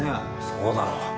そうだろう。